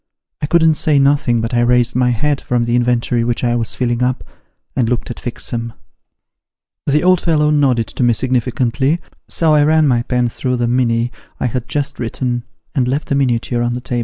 I couldn't say nothing, but I raised my head from the inventory which I was filling up, and looked at Fixem ; the old fellow nodded to me significantly, so I ran my pen through the ' Mini ' I had just written, and left the miniature on the table.